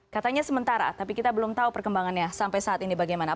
katanya sementara tapi kita belum tahu perkembangannya sampai saat ini bagaimana